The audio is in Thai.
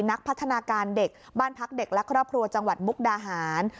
นักพัฒนาการเด็กบ้านพักเด็กและครอบครัวจังหวัดมุกดาหาร